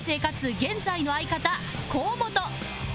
現在の相方河本